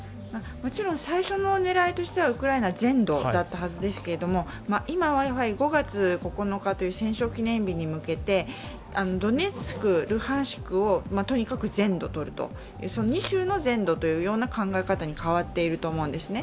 もちろん最初の狙いとしてはウクライナ全土だったはずですけれども、今はやはり５月９日という戦勝記念日に向けて、ドネツク、ルハンシクを全土とると２州の全土というような考え方に変わっていると思うんですね。